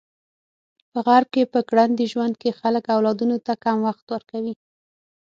په غرب کې په ګړندي ژوند کې خلک اولادونو ته کم وخت ورکوي.